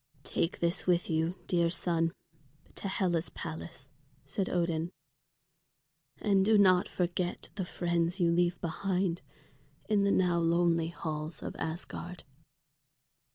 "Take this with you, dear son, to Hela's palace," said Odin. "And do not forget the friends you leave behind in the now lonely halls of Asgard."